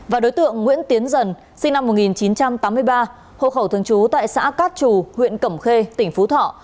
và đối tượng nguyễn tiến dần sinh năm một nghìn chín trăm tám mươi ba hộ khẩu thường trú tại xã cát trù huyện cẩm khê tỉnh phú thọ